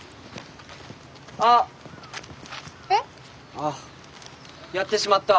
ああやってしまった。